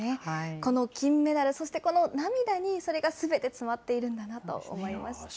この金メダル、そしてこの涙にそれがすべて詰まっているんだなと思いました。